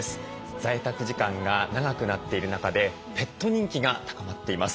在宅時間が長くなっている中でペット人気が高まっています。